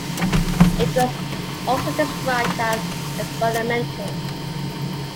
It was also described as experimental.